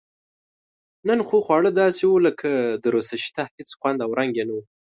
نن خو خواړه داسې و لکه دورسشته هېڅ خوند او رنګ یې نه و.